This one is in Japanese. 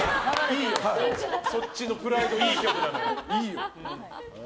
そっちのプライドいいよ。